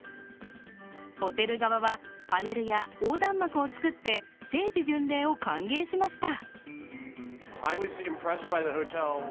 ホテル側は、パネルや横断幕を作って聖地巡礼を歓迎しました。